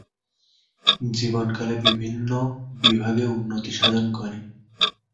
জীবন-কালে বিভিন্ন বিভাগে উন্নতি সাধন করে।